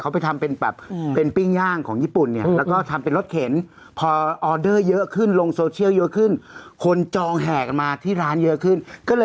เอาหัวเอาขวายมันปล่อยเต็มแล้ว